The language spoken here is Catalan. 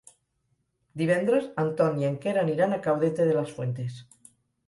Divendres en Ton i en Quer aniran a Caudete de las Fuentes.